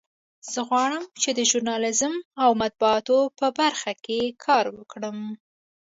زه غواړم چې د ژورنالیزم او مطبوعاتو په برخه کې کار وکړم